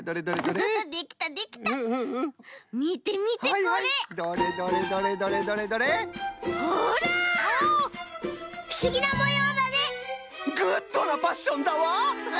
グッドなパッションだわ！